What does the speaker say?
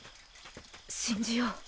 信じよう。